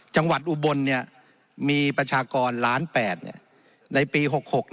จังหวัดอุบลมีประชากรล้าน๘ในปี๖๖